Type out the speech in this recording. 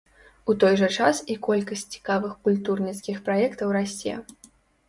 У той жа час і колькасць цікавых культурніцкіх праектаў расце.